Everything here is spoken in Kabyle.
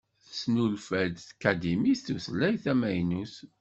Tesnulfa-d tkadimit tutlayt tamaynut.